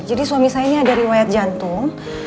jadi suami saya ini ada riwayat jantung